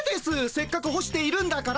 せっかく干しているんだから。